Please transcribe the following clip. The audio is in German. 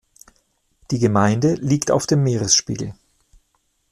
Die Gemeinde liegt auf dem Meeresspiegel.